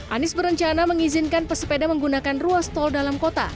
anies berencana mengizinkan pesepeda menggunakan ruas tol dalam kota